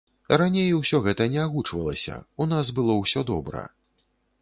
Раней усё гэта не агучвалася, у нас было ўсё добра.